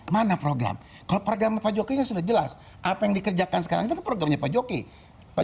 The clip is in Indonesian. mana program program program bachelor jelas apa yang dikerjakan sekarang programnya pak jokowi pak